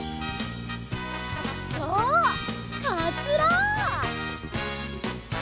そうかつら！